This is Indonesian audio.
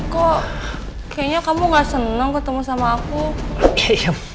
kok kayaknya kamu nggak senang ketemu sama aku ya